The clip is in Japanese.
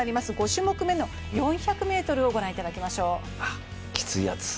５種目めの４００ｍを御覧いただきましょう。